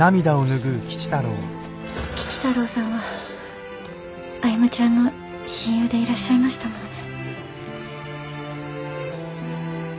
吉太郎さんは歩ちゃんの親友でいらっしゃいましたものね。